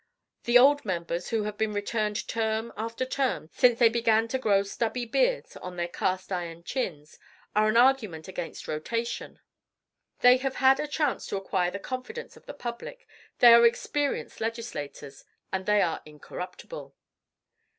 The old members who have been returned term after term since they began to grow stubby beards on their cast iron chins are an argument against rotation; they have had a chance to acquire the confidence of the public, they are experienced legislators, and they are incorruptible."